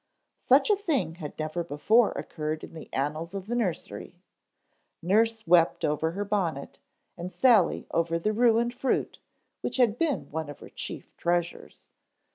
Such a thing had never before occurred in the annals of the nursery. Nurse wept over her bonnet and Sally over the ruined fruit which had been one of her chief treasures.